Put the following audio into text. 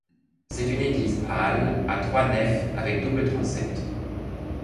C'est une église-halle à trois nefs avec double transept.